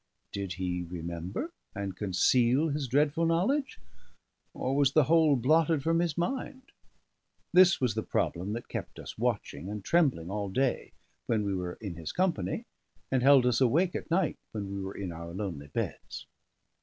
Did he remember, and conceal his dreadful knowledge? or was the whole blotted from his mind? This was the problem that kept us watching and trembling all day when we were in his company, and held us awake at night when we were in our lonely beds.